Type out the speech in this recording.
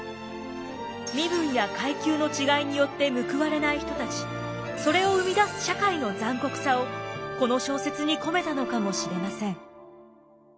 身分や階級の違いによって報われない人たちそれを生み出す社会の残酷さをこの小説に込めたのかもしれません。